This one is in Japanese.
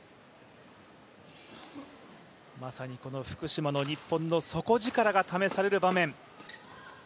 まさに福島の日本の底力が試される場面。